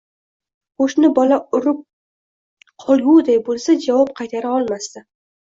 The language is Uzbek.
Qo‘shni bola urib qolguday bo‘lsa, javob qaytara olmasdi.